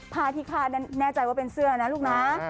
พาธิคาแน่ใจว่าเป็นเสื้อนะลูกน้า